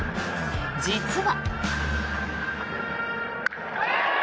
実は。